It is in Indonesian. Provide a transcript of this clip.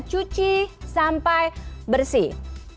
cuci sampai bersih